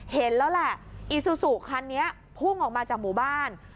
เห็นแล้วแหละอีซูซูคันนี้พุ่งออกมาจากหมู่บ้าน